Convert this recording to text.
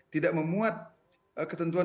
tidak memuat ketentuan